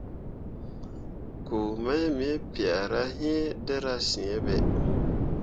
Pku mai me piahra iŋ dǝra sǝ̃ǝ̃be.